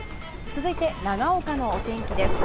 続いて、長岡のお天気です。